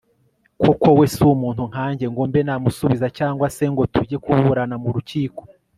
koko, we si umuntu nkanjye ngo mbe namusubiza, cyangwa se ngo tujye kuburana mu rukiko